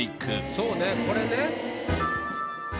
そうねこれね。